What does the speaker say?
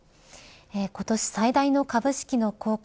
今年最大の株式の公開